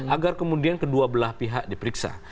agar kemudian kedua belah pihak diperiksa